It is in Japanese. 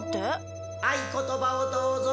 「合言葉をどうぞ」